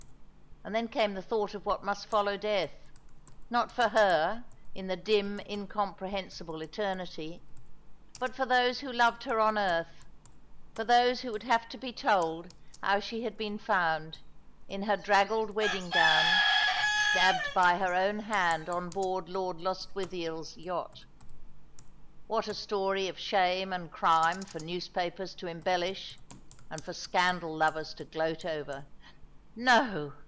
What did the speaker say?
And then came the thought of what must follow death, not for her in the dim incomprehensible eternity, but for those who loved her on earth, for those who would have to he told how she had *^ Love and Life aiid Deaths 313 been found, in her draggled wedding gown, stabbed by her own hand on board Lord Lostwithiel's yacht. What a story of shame and crime for newspapers to embellish, and for scandal lovers to gloat over! No!